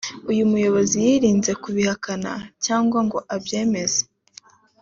uyu muyobozi yirinze kubihakana cyangwa ngo abyemeze